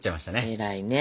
偉いね。